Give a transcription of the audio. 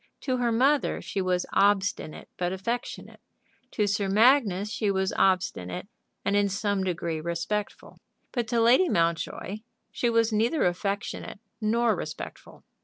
To her mother she was obstinate but affectionate To Sir Magnus she was obstinate and in some degree respectful. But to Lady Mountjoy she was neither affectionate nor respectful.